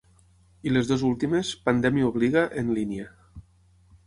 I les dues últimes, pandèmia obliga, en línia.